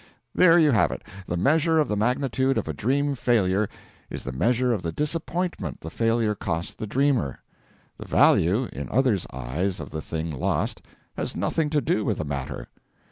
There you have it: the measure of the magnitude of a dream failure is the measure of the disappointment the failure cost the dreamer; the value, in others' eyes, of the thing lost, has nothing to do with the matter.